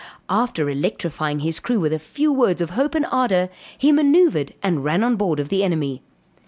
After electrifying his crew with a few words of hope and ardor, he manoeuvred and ran on board of the enemy.